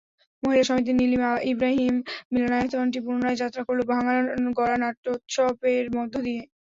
মহিলা সমিতির নীলিমা ইব্রাহীম মিলনায়তনটি পুনরায় যাত্রা করল ভাঙা-গড়া নাট্যোৎসবের মধ্য দিয়ে।